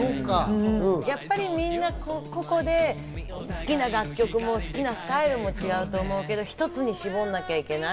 やっぱり、みんな個々で好きな楽曲も好きなスタイルも違うと思うけど、一つに絞んなきゃいけない。